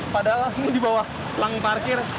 padahal ini di bawah pelanggang parkir